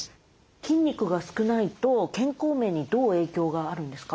筋肉が少ないと健康面にどう影響があるんですか？